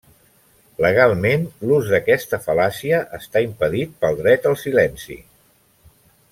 Legalment l'ús d'aquesta fal·làcia està impedit pel Dret al silenci.